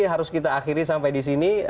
harus kita akhiri sampai disini